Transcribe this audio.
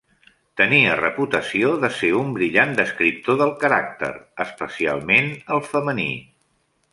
Tenia reputació de ser un brillant descriptor del caràcter, especialment el femení.